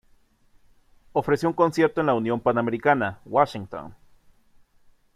Ofreció un concierto en la Unión Panamericana, Washington.